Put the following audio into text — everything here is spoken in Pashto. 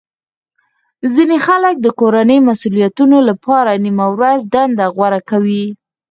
ځینې خلک د کورنۍ مسولیتونو لپاره نیمه ورځې دنده غوره کوي